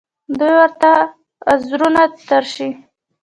دوی ورته عذرونه تراشي